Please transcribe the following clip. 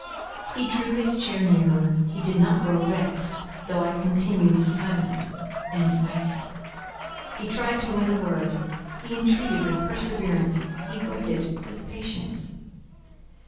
He drew his chair nearer. He did not grow vexed, though I continued silent and icy. He tried to win a word; he entreated with perseverance, he waited with patience.